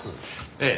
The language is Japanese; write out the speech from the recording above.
ええ。